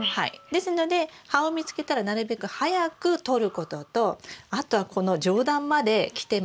ですので葉を見つけたらなるべく早く取ることとあとはこの上段まで来てますので